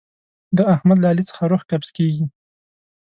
د احمد له علي څخه روح قبض کېږي.